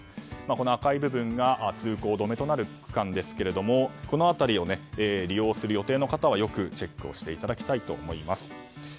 この赤い部分が通行止めとなる区間ですがこの辺りを利用する予定の方はよくチェックしていただきたいと思います。